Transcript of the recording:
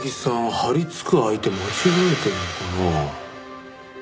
張り付く相手間違えてるのかな？